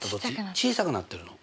小さくなってるの。